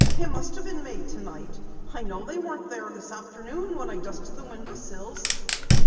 They must have been made tonight. I know they weren't there this afternoon when I dusted the window sills."